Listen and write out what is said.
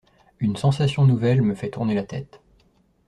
Une sensation nouvelle me fait tourner la tête.